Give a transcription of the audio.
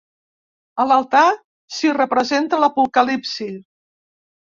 A l'altar s'hi representa l'Apocalipsi.